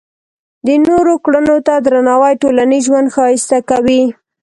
د نورو کړنو ته درناوی ټولنیز ژوند ښایسته کوي.